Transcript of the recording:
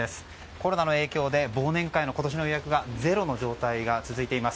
コロナの影響で忘年会の今年の予約がゼロの状態が続いています。